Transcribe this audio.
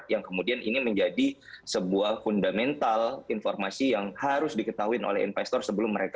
yang kemudian ini menjadi sebuah fundamental informasi yang harus diketahui oleh investor sebelum mereka